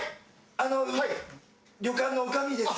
あの旅館の女将です。